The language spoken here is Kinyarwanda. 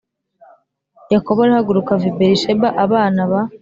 Yakobo arahaguruka ava i Berisheba abana ba